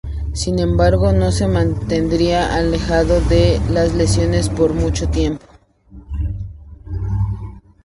Sin embargo no se mantendría alejado de las lesiones por mucho tiempo.